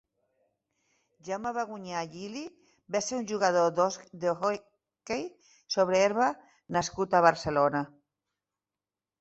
Jaume Bagunyà Gili va ser un jugador d'hoquei sobre herba nascut a Barcelona.